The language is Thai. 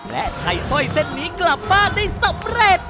และไทยสร้อยเส้นนี้กลับบ้านได้สำเร็จ